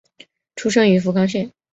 出身于福冈县。